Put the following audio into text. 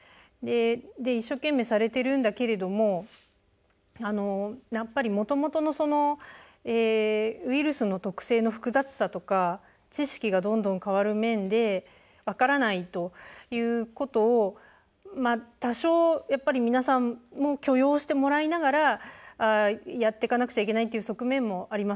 一生懸命されてるんだけれどももともとのウイルスの特性の複雑さとか知識がどんどん変わる面で分からないということを多少やっぱり皆さんも許容してもらいながらやってかなくちゃいけないっていう側面もあります。